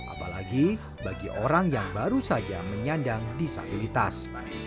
apalagi bagi orang yang baru saja menyandang disabilitas